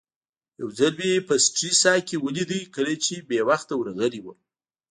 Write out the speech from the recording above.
یو ځل مې په سټریسا کې ولید کله چې بې وخته ورغلی وم.